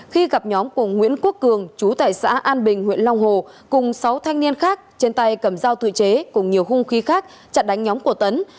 khi gặp nhóm của nguyễn quốc cường chú tại xã an bình huyện long hồ cùng sáu thanh niên khác trên tay cầm dao tự chế cùng nhiều hung khí khác chặn đánh nhóm của tấn